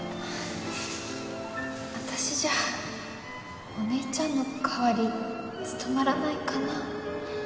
私じゃお姉ちゃんの代わり務まらないかな？